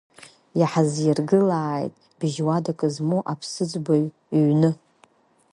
Иаҳзиргылааит быжь-уадак змоу аԥсыӡбаҩ ҩны.